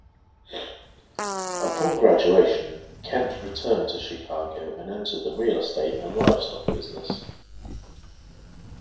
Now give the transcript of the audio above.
Upon graduation, Kent returned to Chicago and entered the real estate and livestock businesses.